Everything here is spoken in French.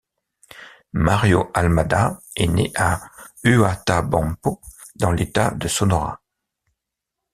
Mario Almada est né à Huatabampo, dans l'État de Sonora.